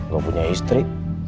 gak punya istri